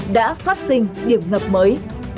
đã phát sinh điểm ngập mới